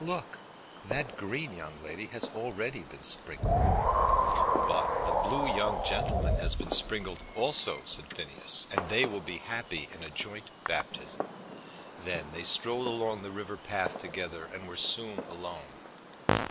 Look. That green young lady has already been sprinkled." "But the blue young gentleman has been sprinkled also," said Phineas, "and they will be happy in a joint baptism." Then they strolled along the river path together, and were soon alone.